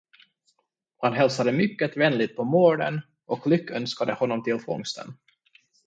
Han hälsade mycket vänligt på mården och lyckönskade honom till fångsten.